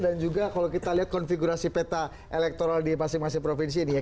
dan juga kalau kita lihat konfigurasi peta elektoral di masing masing provinsi ini ya